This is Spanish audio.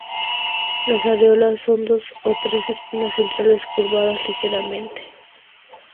Las areolas con dos o tres espinas centrales curvadas ligeramente.